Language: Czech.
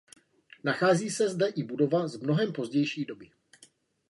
Nachází se zde i budova z mnohem pozdější doby.